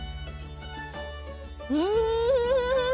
うん！